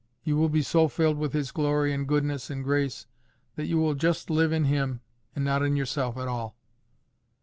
You will be so filled with His glory and goodness and grace, that you will just live in Him and not in yourself at all."